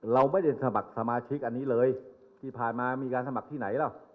เราไม่ได้สมัครสมาชิกอันนี้เลยที่ผ่านมามีการสมัครที่ไหนแล้ว